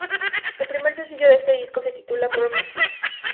El primer sencillo de este disco se titula 'Promise This'